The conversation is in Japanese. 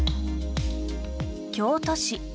京都市。